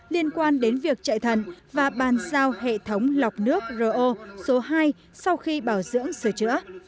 liên quan đến việc chạy thận và bàn giao hệ thống lọc nước ro số hai sau khi bảo dưỡng sửa chữa